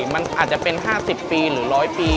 มันอาจจะเป็น๕๐ปีหรือ๑๐๐ปี